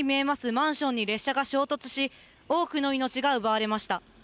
マンションに列車が衝突し、多くの命が奪われました。